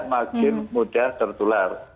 makin mudah tertular